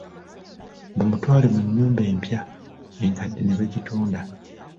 Bamutwale mu nnyumba empya enkadde ne bagitunda.